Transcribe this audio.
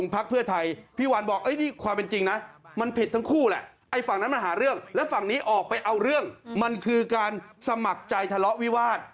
พี่ออกไปเอาเรื่องมันคือการสมัครใจทะเลาะวิวาด